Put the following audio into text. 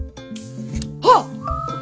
あっ！